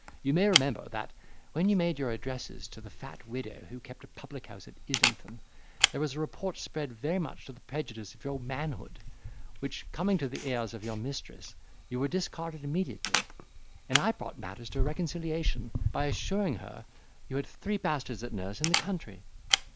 You may remember, that, when you made your addresses to the fat widow who kept a public house at Islington, there was a report spread very much to the prejudice of your manhood, which coming to the ears of your mistress, you were discarded immediately: and I brought matters to a reconciliation, by assuring her you had three bastards at nurse in the country.